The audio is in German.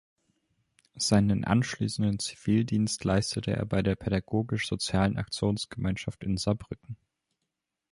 Seinen anschließenden Zivildienst leistete er bei der Pädagogisch-Sozialen Aktionsgemeinschaft in Saarbrücken.